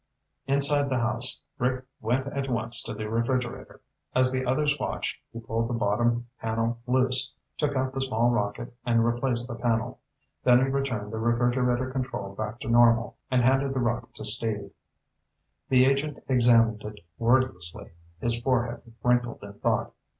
Inside the house, Rick went at once to the refrigerator. As the others watched, he pulled the bottom panel loose, took out the small rocket, and replaced the panel. Then he turned the refrigerator control back to normal and handed the rocket to Steve. The agent examined it wordlessly, his forehead wrinkled in thought.